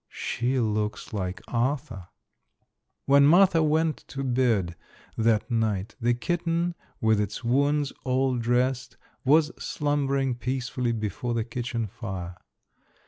"She looks like Arthur." When Martha went to bed that night the kitten, with its wounds all dressed, was slumbering peacefully before the kitchen fire.